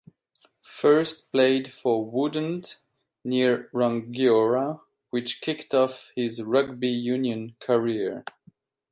First played for Woodend, near Rangiora which kicked off his Rugby Union career.